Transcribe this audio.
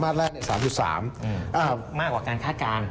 มากกว่าการคาดการณ์